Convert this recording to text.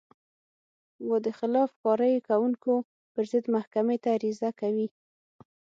و د خلاف کارۍ کوونکو پر ضد محکمې ته عریضه کوي.